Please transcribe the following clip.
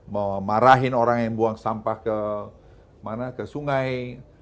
memarahin orang yang buang sampah ke sungai